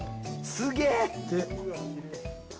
すげえ！